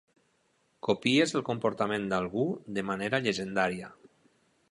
Copies el comportament d'algú de manera llegendària.